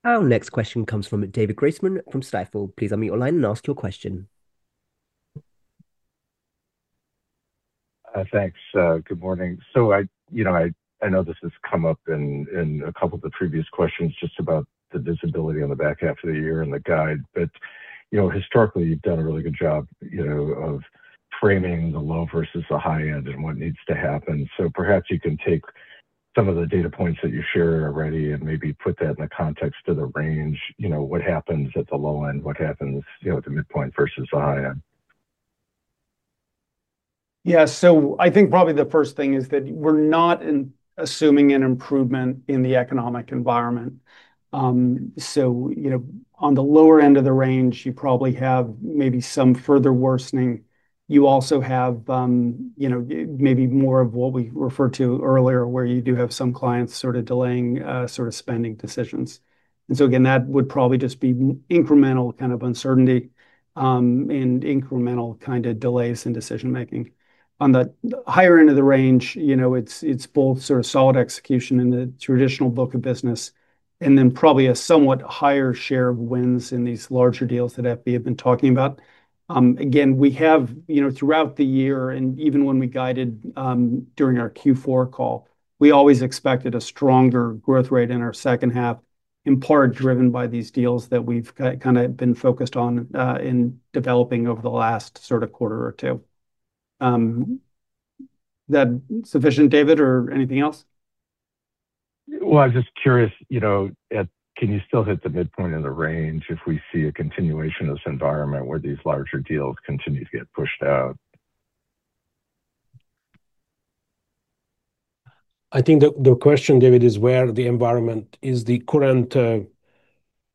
Our next question comes from David Grossman from Stifel. Please unmute your line and ask your question. Thanks. Good morning. I know this has come up in a couple of the previous questions just about the visibility on the back half of the year and the guide. Historically, you've done a really good job, you know, of framing the low versus the high end and what needs to happen. Perhaps you can take some of the data points that you shared already and maybe put that in the context of the range. You know, what happens at the low end? What happens, you know, at the midpoint versus the high end? Yeah. I think probably the first thing is that we're not assuming an improvement in the economic environment. You know, on the lower end of the range, you probably have maybe some further worsening. You also have, you know, maybe more of what we referred to earlier, where you do have some clients sort of delaying, sort of spending decisions. Again, that would probably just be incremental kind of uncertainty and incremental kind of delays in decision-making. On the higher end of the range, you know, it's both sort of solid execution in the traditional book of business and then probably a somewhat higher share of wins in these larger deals that FB have been talking about. Again, we have, you know, throughout the year, and even when we guided, during our Q4 call, we always expected a stronger growth rate in our second half, in part driven by these deals that we've kinda been focused on, in developing over the last sorta quarter or two. That sufficient, David, or anything else? Well, I'm just curious, you know, can you still hit the midpoint of the range if we see a continuation of this environment where these larger deals continue to get pushed out? I think the question, David Grossman, is where the environment is the current.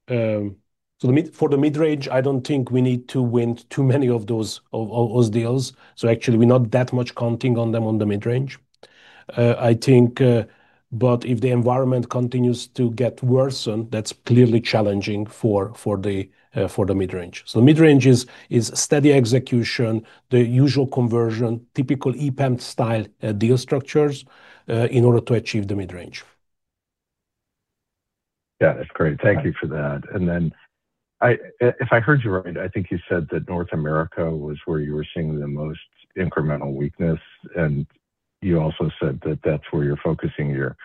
For the mid-range, I don't think we need to win too many of those deals, so actually we're not that much counting on them on the mid-range. If the environment continues to get worsened, that's clearly challenging for the mid-range. Mid-range is steady execution, the usual conversion, typical EPAM-style deal structures in order to achieve the mid-range. Yeah, that's great. Thank you for that. I, if I heard you right, I think you said that North America was where you were seeing the most incremental weakness, and you also said that that's where you're focusing your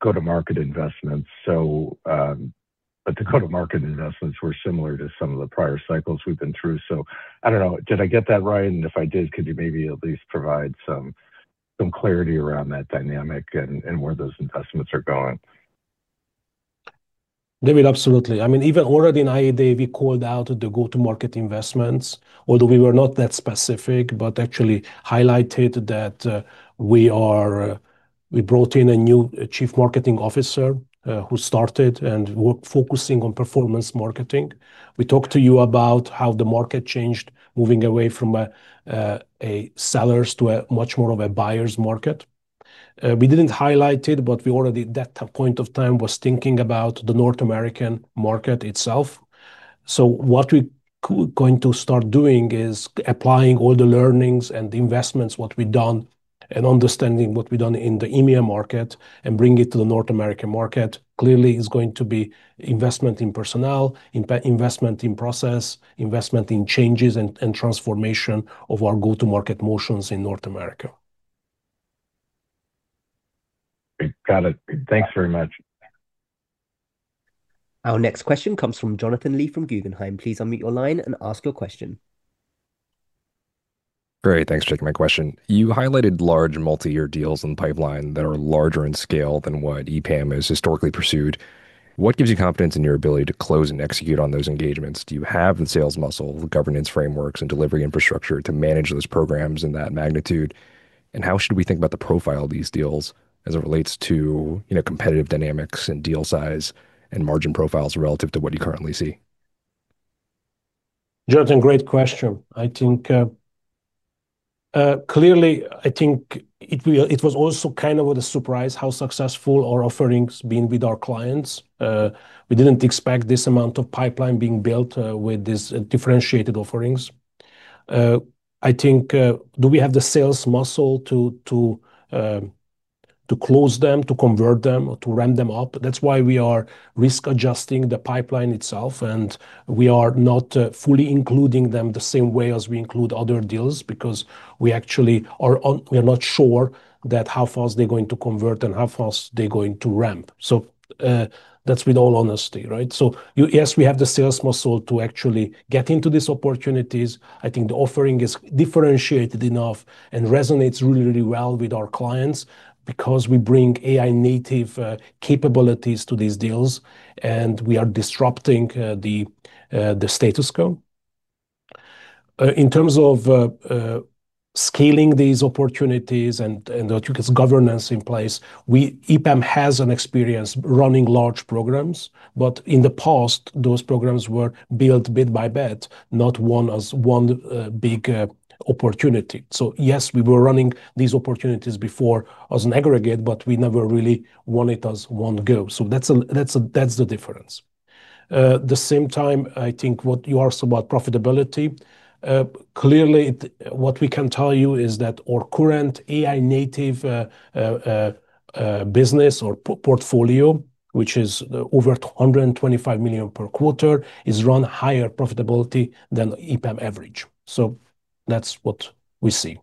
go-to-market investments. But the go-to-market investments were similar to some of the prior cycles we've been through, so I don't know, did I get that right? If I did, could you maybe at least provide some clarity around that dynamic and where those investments are going? David, absolutely. I mean, even already in I&A Day we called out the go-to-market investments, although we were not that specific, but actually highlighted that, we brought in a new chief marketing officer, who started and focusing on performance marketing. We talked to you about how the market changed, moving away from a sellers to a much more of a buyers market. We didn't highlight it, but we already, at that point of time, was thinking about the North American market itself. What we going to start doing is applying all the learnings and the investments, what we've done, and understanding what we've done in the EMEA market and bring it to the North American market. Clearly it's going to be investment in personnel, investment in process, investment in changes and transformation of our go-to-market motions in North America. Got it. Thanks very much. Our next question comes from Jonathan Lee from Guggenheim. Please unmute your line and ask your question. Great. Thanks for taking my question. You highlighted large multi-year deals in the pipeline that are larger in scale than what EPAM has historically pursued. What gives you confidence in your ability to close and execute on those engagements? Do you have the sales muscle, the governance frameworks, and delivery infrastructure to manage those programs in that magnitude? How should we think about the profile of these deals as it relates to, you know, competitive dynamics and deal size and margin profiles relative to what you currently see? Jonathan, great question. I think, clearly I think it was also kind of with a surprise how successful our offerings been with our clients. We didn't expect this amount of pipeline being built with this differentiated offerings. I think, do we have the sales muscle to close them, to convert them, or to ramp them up? That's why we are risk-adjusting the pipeline itself, and we are not fully including them the same way as we include other deals because we actually are not sure that how fast they're going to convert and how fast they're going to ramp. That's with all honesty, right? Yes, we have the sales muscle to actually get into these opportunities. I think the offering is differentiated enough and resonates really, really well with our clients because we bring AI-native capabilities to these deals, and we are disrupting the status quo. In terms of scaling these opportunities and the governance in place, EPAM has an experience running large programs, but in the past, those programs were built bit by bit, not one as one big opportunity. Yes, we were running these opportunities before as an aggregate, but we never really won it as one go. That's the difference. The same time, I think what you asked about profitability, clearly what we can tell you is that our current AI-native business or portfolio, which is over $225 million per quarter, is run higher profitability than EPAM average. That's what we see.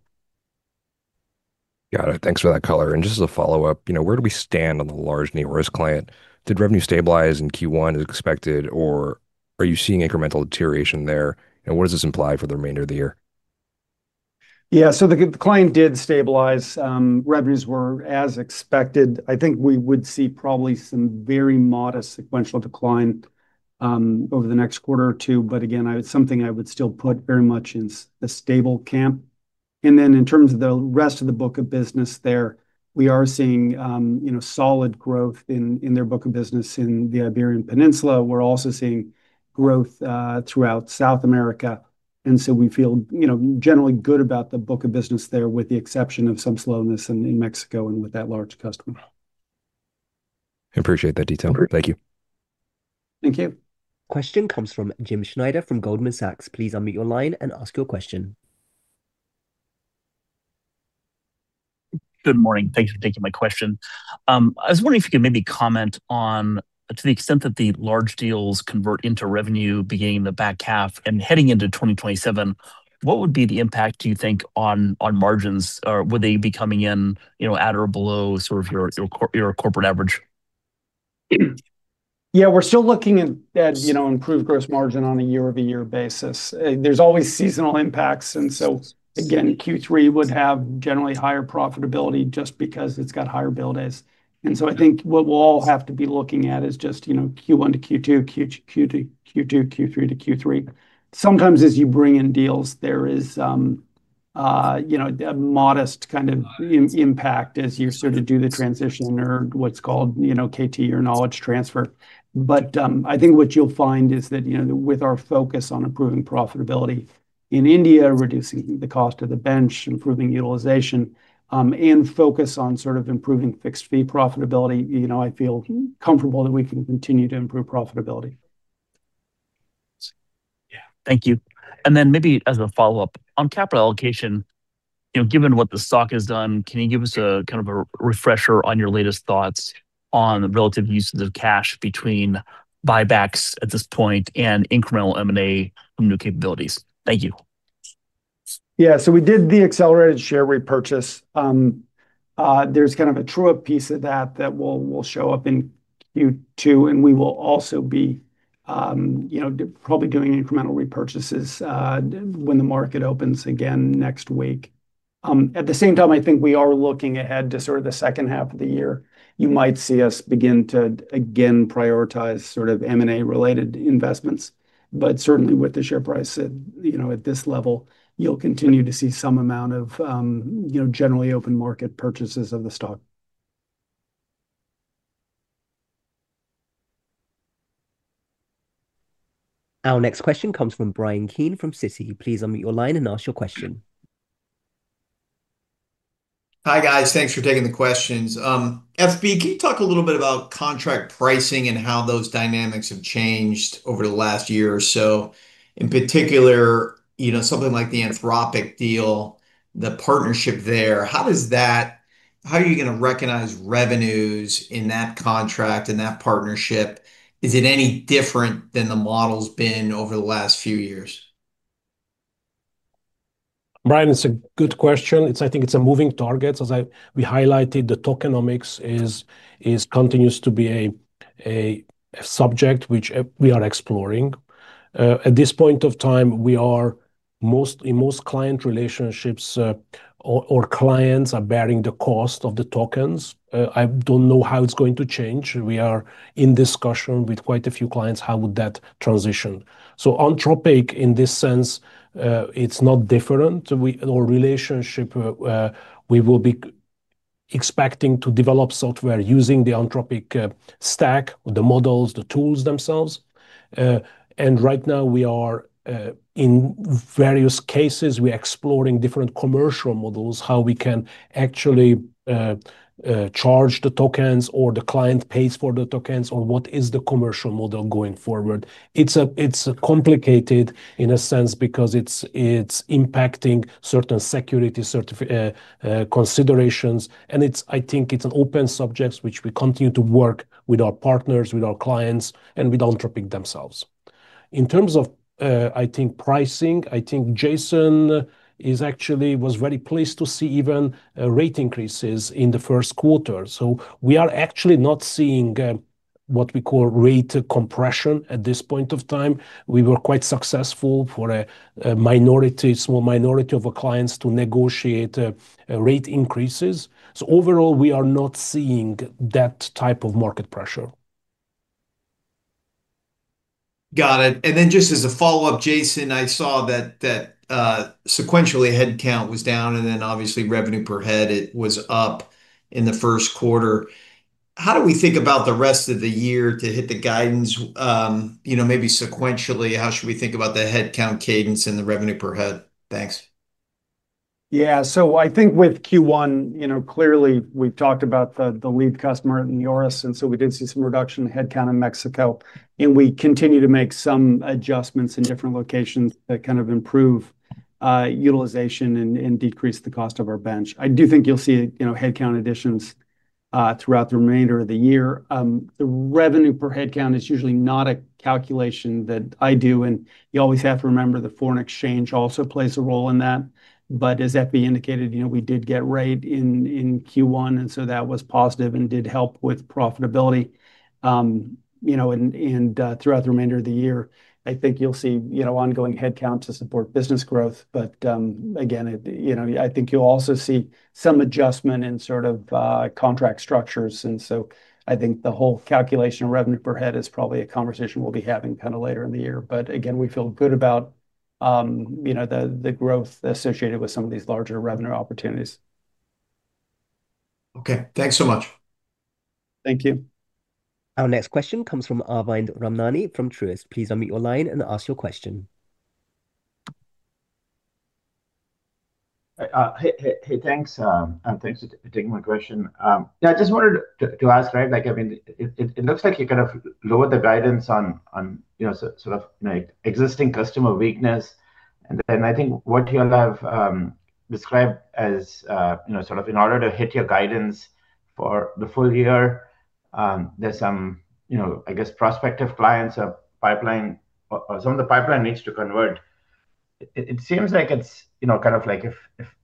Got it. Thanks for that color. Just as a follow-up, you know, where do we stand on the large name risk client? Did revenue stabilize in Q1 as expected, or are you seeing incremental deterioration there? What does this imply for the remainder of the year? The client did stabilize. Revenues were as expected. I think we would see probably some very modest sequential decline over the next quarter or two. Something I would still put very much in a stable camp. In terms of the rest of the book of business there, we are seeing, you know, solid growth in their book of business in the Iberian Peninsula. We're also seeing growth throughout South America. We feel, you know, generally good about the book of business there, with the exception of some slowness in Mexico and with that large customer. I appreciate that detail. Thank you. Thank you. Question comes from James Schneider from Goldman Sachs. Please unmute your line and ask your question. Good morning. Thank you for taking my question. I was wondering if you could maybe comment on, to the extent that the large deals convert into revenue beginning the back half and heading into 2027, what would be the impact, do you think, on margins? Or would they be coming in, you know, at or below sort of your corporate average? Yeah. We're still looking at, you know, improved gross margin on a year-over-year basis. There's always seasonal impacts. Again, Q3 would have generally higher profitability just because it's got higher bill days. I think what we'll all have to be looking at is just, you know, Q1-Q2, Q3 to Q3. Sometimes as you bring in deals, there is, you know, a modest kind of impact as you sort of do the transition or what's called, you know, KT, or knowledge transfer. I think what you'll find is that, you know, with our focus on improving profitability in India, reducing the cost of the bench, improving utilization, and focus on sort of improving fixed fee profitability, you know, I feel comfortable that we can continue to improve profitability. Yeah. Thank you. Maybe as a follow-up, on capital allocation, you know, given what the stock has done, can you give us a kind of a refresher on your latest thoughts on the relative uses of cash between buybacks at this point and incremental M&A from new capabilities? Thank you. We did the accelerated share repurchase. There's kind of a true-up piece of that that will show up in Q2, and we will also be, you know, probably doing incremental repurchases when the market opens again next week. At the same time, I think we are looking ahead to sort of the second half of the year. You might see us begin to again prioritize sort of M&A related investments. Certainly with the share price at, you know, at this level, you'll continue to see some amount of, you know, generally open market purchases of the stock. Our next question comes from Bryan Keane from Citi. Please unmute your line and ask your question. Hi, guys. Thanks for taking the questions. FB, can you talk a little bit about contract pricing and how those dynamics have changed over the last year or so? In particular, you know, something like the Anthropic deal, the partnership there, how are you gonna recognize revenues in that contract, in that partnership? Is it any different than the model's been over the last few years? Bryan, it's a good question. I think it's a moving target. As we highlighted the tokenomics is a subject which we are exploring. At this point of time, we are in most client relationships, or clients are bearing the cost of the tokens. I don't know how it's going to change. We are in discussion with quite a few clients how would that transition. Anthropic, in this sense, it's not different. Our relationship, we will be expecting to develop software using the Anthropic stack, the models, the tools themselves. Right now we are in various cases, we are exploring different commercial models, how we can actually charge the tokens, or the client pays for the tokens, or what is the commercial model going forward. It's complicated in a sense because it's impacting certain security considerations. I think it's an open subject which we continue to work with our partners, with our clients, and with Anthropic themselves. In terms of I think pricing, Jason was actually very pleased to see even rate increases in the first quarter. We are actually not seeing what we call rate compression at this point of time. We were quite successful for a small minority of our clients to negotiate rate increases. Overall, we are not seeing that type of market pressure. Got it. Just as a follow-up, Jason, I saw that sequentially headcount was down, and then obviously revenue per head, it was up in the first quarter. How do we think about the rest of the year to hit the guidance, you know, maybe sequentially, how should we think about the headcount cadence and the revenue per head? Thanks. Yeah. I think with Q1, you know, clearly we've talked about the lead customer in uncertain, and so we did see some reduction in headcount in Mexico, and we continue to make some adjustments in different locations that kind of improve utilization and decrease the cost of our bench. I do think you'll see, you know, headcount additions throughout the remainder of the year. The revenue per headcount is usually not a calculation that I do, and you always have to remember the foreign exchange also plays a role in that. As FB indicated, you know, we did get rate in Q1, and so that was positive and did help with profitability. You know, and throughout the remainder of the year, I think you'll see, you know, ongoing headcount to support business growth. Again, it, you know, I think you'll also see some adjustment in sort of contract structures. I think the whole calculation of revenue per head is probably a conversation we'll be having kind of later in the year. Again, we feel good about, you know, the growth associated with some of these larger revenue opportunities. Okay. Thanks so much. Thank you. Our next question comes from Arvind Ramnani from Truist. Please unmute your line and ask your question. Hey, thanks, and thanks for taking my question. Yeah, I just wanted to ask, right, like, I mean, it, it looks like you kind of lowered the guidance on, you know, sort of, like, existing customer weakness, and then I think what you'll have described as, you know, sort of in order to hit your guidance for the full year, there's some, you know, I guess, prospective clients or pipeline or some of the pipeline needs to convert. It seems like it's, you know, kind of like if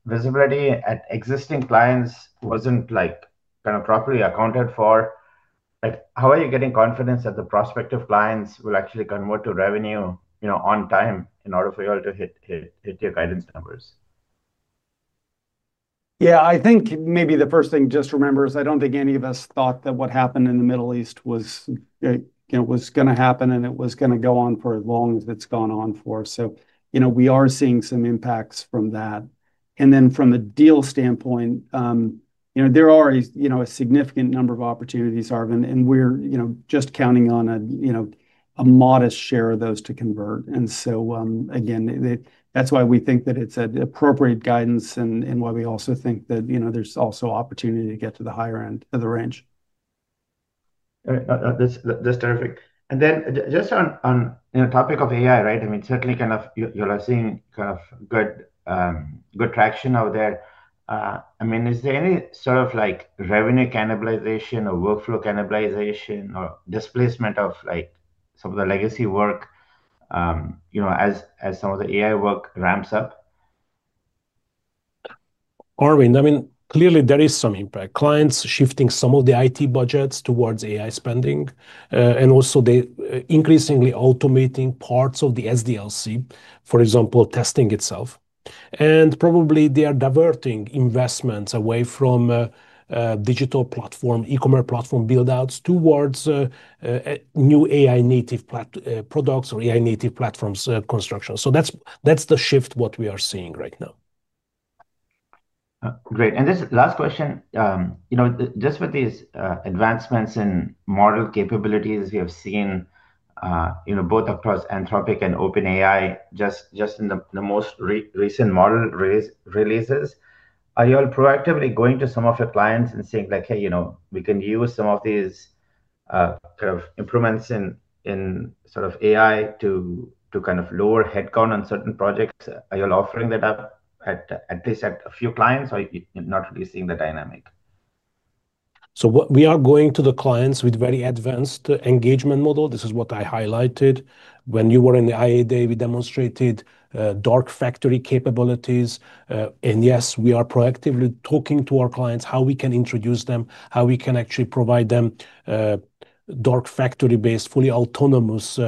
visibility at existing clients wasn't, like, kind of properly accounted for, like, how are you getting confidence that the prospective clients will actually convert to revenue, you know, on time in order for y'all to hit your guidance numbers? Yeah, I think maybe the first thing just to remember is I don't think any of us thought that what happened in the Middle East was gonna happen, and it was gonna go on for as long as it's gone on for. We are seeing some impacts from that. From a deal standpoint, there are a significant number of opportunities, Arvind, and we're just counting on a modest share of those to convert. Again, that's why we think that it's a appropriate guidance and why we also think that there's also opportunity to get to the higher end of the range. All right. That's terrific. Then just on, you know, topic of AI, right? I mean, certainly kind of y'all are seeing kind of good traction out there. I mean, is there any sort of, like, revenue cannibalization or workflow cannibalization or displacement of, like, some of the legacy work, you know, as some of the AI work ramps up? Arvind, I mean, clearly there is some impact. Clients shifting some of the IT budgets towards AI spending, and also they increasingly automating parts of the SDLC, for example, testing itself. Probably they are diverting investments away from digital platform, e-commerce platform build-outs towards new AI native products or AI native platforms, construction. That's the shift what we are seeing right now. Great. This last question. You know, just with these advancements in model capabilities we have seen, you know, both across Anthropic and OpenAI just in the most recent model releases, are you all proactively going to some of your clients and saying like, "Hey, you know, we can use some of these improvements in sort of AI to kind of lower headcount on certain projects." Are you all offering that up at least at a few clients, or you're not really seeing the dynamic? What we are going to the clients with very advanced engagement model. This is what I highlighted. When you were in the Investor Day, we demonstrated dark factory capabilities. Yes, we are proactively talking to our clients how we can introduce them, how we can actually provide them dark factory-based, fully autonomous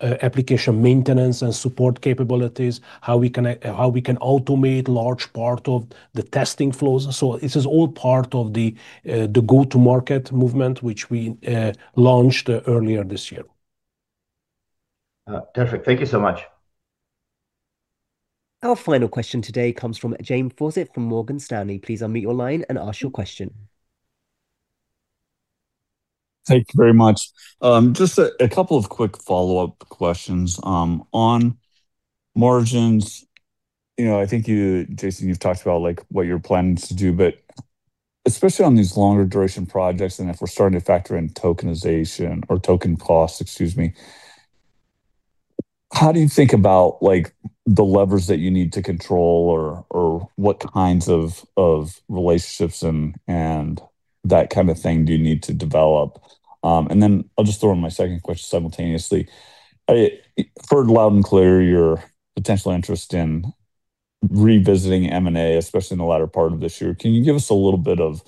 application maintenance and support capabilities, how we can automate large part of the testing flows. This is all part of the go-to-market movement which we launched earlier this year. Perfect. Thank you so much. Our final question today comes from James Faucette from Morgan Stanley. Please unmute your line and ask your question. Thank you very much. Just a couple of quick follow-up questions. On margins, you know, I think you, Jason, you've talked about, like, what you're planning to do, but especially on these longer duration projects and if we're starting to factor in tokenization or token costs, excuse me, how do you think about, like, the levers that you need to control or what kinds of relationships and that kind of thing do you need to develop? I'll just throw in my second question simultaneously. I heard loud and clear your potential interest in revisiting M&A, especially in the latter part of this year. Can you give us a little bit of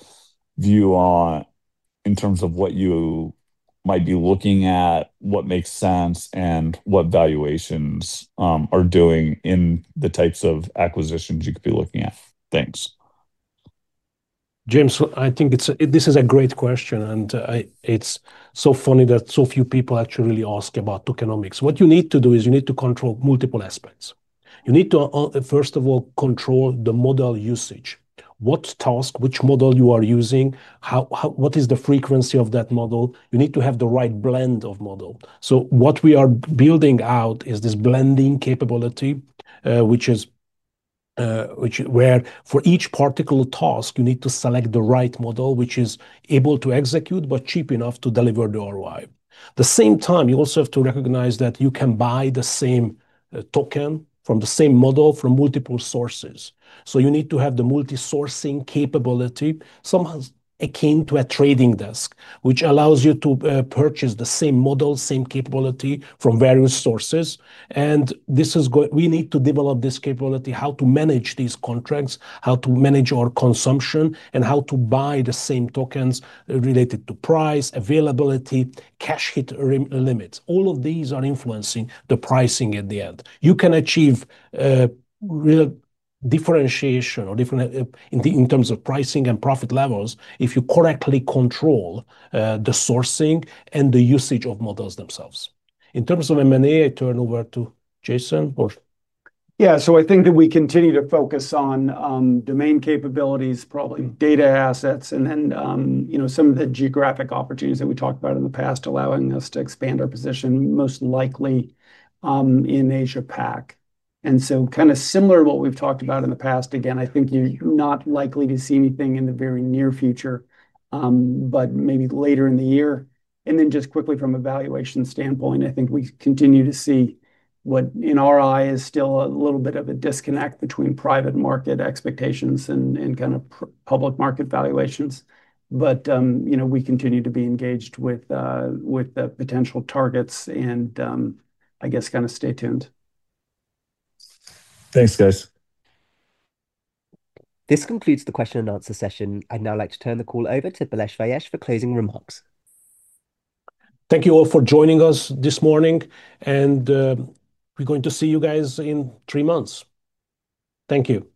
view on in terms of what you might be looking at, what makes sense, and what valuations are doing in the types of acquisitions you could be looking at? Thanks. James, I think this is a great question. It's so funny that so few people actually ask about tokenomics. What you need to do is you need to control multiple aspects. You need to first of all, control the model usage. What task, which model you are using, what is the frequency of that model? You need to have the right blend of model. What we are building out is this blending capability, which is which where for each particular task you need to select the right model, which is able to execute but cheap enough to deliver the ROI. The same time, you also have to recognize that you can buy the same token from the same model from multiple sources. You need to have the multi-sourcing capability, somehow akin to a trading desk, which allows you to purchase the same model, same capability from various sources. We need to develop this capability, how to manage these contracts, how to manage our consumption, and how to buy the same tokens related to price, availability, cash headroom limits. All of these are influencing the pricing at the end. You can achieve real differentiation or different in terms of pricing and profit levels if you correctly control the sourcing and the usage of models themselves. In terms of M&A, I turn over to Jason. I think that we continue to focus on domain capabilities, probably data assets, and then, you know, some of the geographic opportunities that we talked about in the past allowing us to expand our position, most likely in AsiaPac. Kind of similar to what we've talked about in the past, again, I think you're not likely to see anything in the very near future, but maybe later in the year. Just quickly from a valuation standpoint, I think we continue to see what in our eye is still a little bit of a disconnect between private market expectations and public market valuations. You know, we continue to be engaged with the potential targets and, I guess kind of stay tuned. Thanks, guys. This concludes the question and answer session. I'd now like to turn the call over to Balazs Fejes for closing remarks. Thank you all for joining us this morning, and we're going to see you guys in three months. Thank you.